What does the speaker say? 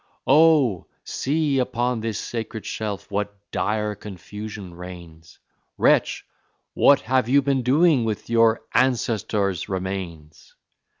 Oh, see, upon this sacred shelf what dire confusion reigns! Wretch! What have you been doing with your ancestors' remains?